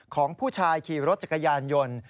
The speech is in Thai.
ของผู้ชายขี่รถจักรยานยนต์